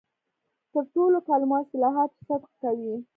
پر ټولو کلمو او اصطلاحاتو صدق کوي.